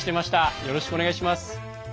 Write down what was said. よろしくお願いします。